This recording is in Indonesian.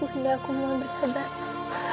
bunda aku mohon bersabar